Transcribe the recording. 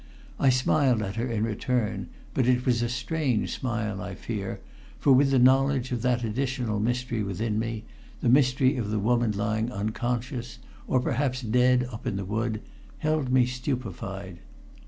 I smiled at her in return, but it was a strange smile, I fear, for with the knowledge of that additional mystery within me the mystery of the woman lying unconscious or perhaps dead, up in the wood held me stupefied.